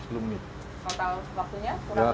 total waktunya kurang lebih